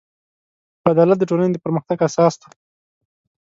عدالت د ټولنې د پرمختګ اساس دی.